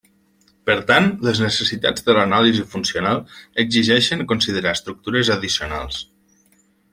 Per tant, les necessitats de l'anàlisi funcional exigeixen considerar estructures addicionals.